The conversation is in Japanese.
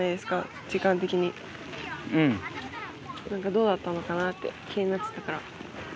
どうだったのかなって気になってたから。